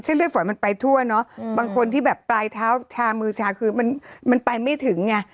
เลือดฝอยมันไปทั่วเนอะบางคนที่แบบปลายเท้าชามือชาคือมันไปไม่ถึงไง